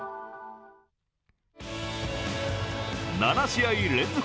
７試合連続